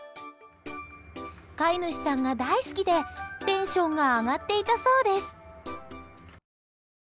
飼い主さんが大好きでテンションが上がっていたそうです。